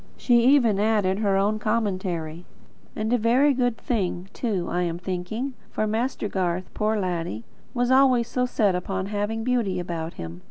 She even added her own commentary: "And a very good thing, too, I am thinking. For Master Garth, poor laddie, was always so set upon having beauty about him.